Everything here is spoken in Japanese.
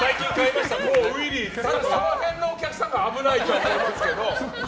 その辺のお客さんが危ないと思いますけど。